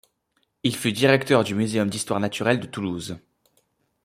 Il fut directeur du Muséum d’histoire naturelle de Toulouse.